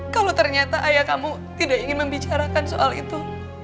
kalau ternyata ayah kamu tidak ingin membicarakan soal itu